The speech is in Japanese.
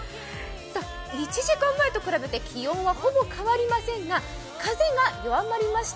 １時間前と比べて気温はほぼ変わりませんが風が弱まりました。